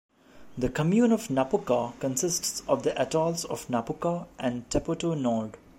The commune of Napuka consists of the atolls of Napuka and Tepoto Nord.